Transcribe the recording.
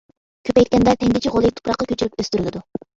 كۆپەيتكەندە تەڭگىچە غولى تۇپراققا كۆچۈرۈپ ئۆستۈرۈلىدۇ.